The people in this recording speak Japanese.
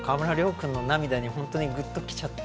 君の涙にぐっときちゃって。